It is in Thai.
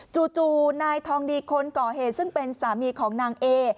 จู่นายทองดีคนก่อเหตุซึ่งเป็นสามีของนางเอ